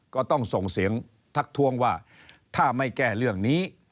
ก็ต้องส่งเสียงทักทวงว่าถ้าไม่แก้เรื่องนี้